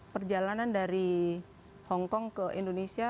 perjalanan dari hongkong ke indonesia